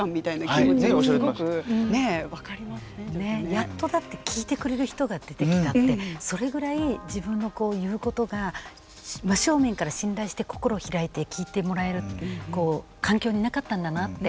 やっとだって聞いてくれる人が出てきたってそれぐらい自分の言うことが真っ正面から信頼して心を開いて聞いてもらえるこう環境になかったんだなって。